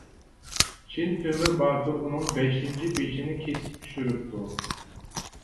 چىن تۆمۈر باتۇر ئۇنىڭ بەشىنچى بېشىنى كېسىپ چۈشۈرۈپتۇ.